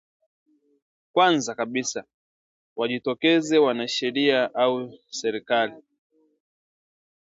kwanza kabisa wajitokeze wanasheria au serikali